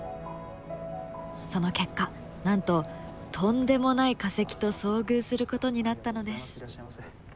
その結果なんととんでもない化石と遭遇することになったのです。